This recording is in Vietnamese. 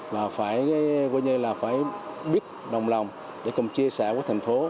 và phải gọi như là phải biết đồng lòng để cùng chia sẻ với thành phố